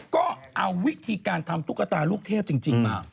ก็เอาวิธีการทำตุ๊กตาลูกเทพจริงมา